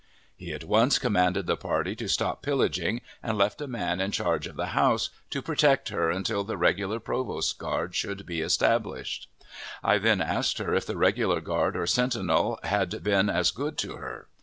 He at once commanded the party to stop pillaging, and left a man in charge of the house, to protect her until the regular provost guard should be established. I then asked her if the regular guard or sentinel had been as good to her.